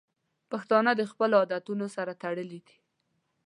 پښتانه د خپلو عادتونو سره تړلي دي.